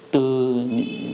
từ những nguồn nhân lực